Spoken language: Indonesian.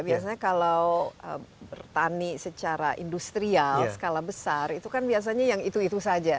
biasanya kalau bertani secara industrial skala besar itu kan biasanya yang itu itu saja